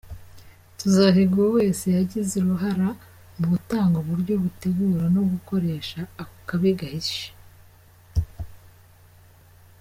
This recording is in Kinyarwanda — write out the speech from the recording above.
"Tuzohiga uwo wese yagize uruhara mu gutanga uburyo, gutegura no gukoresha ako kabi kabishe.